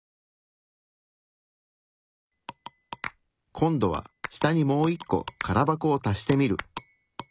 今度は下にもう１個空箱を足してみる。